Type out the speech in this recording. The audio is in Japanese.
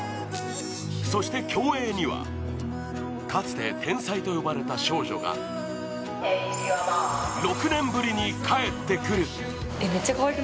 そして、競泳にはかつて天才と呼ばれた少女が６年ぶりに帰ってくる。